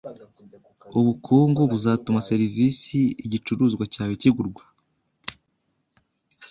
Ubukungu buzatuma serivisi/igicuruzwa cyawe kigurwa